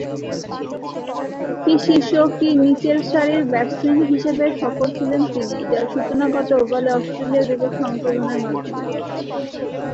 কি শীর্ষ, কি নিচেরসারির ব্যাটসম্যান হিসেবে সফল ছিলেন তিনি, যার সূচনা ঘটে ওভালে অস্ট্রেলিয়ার বিপক্ষে অংশগ্রহণের মাধ্যমে।